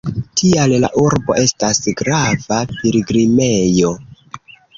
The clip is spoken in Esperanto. Tial la urbo estas grava pilgrimejo.